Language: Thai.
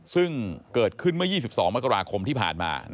ซึ่งเกิดขึ้นเมื่อ๒๒มกราคมที่ผ่านมา